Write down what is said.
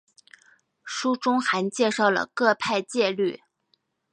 书中还介绍了各派戒律。